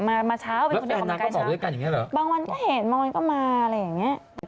มาเช้าพรุ่งนี้เข้ากลับไปกานเช้า